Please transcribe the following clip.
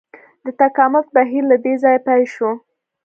د تکامل بهیر له دې ځایه پیل شو.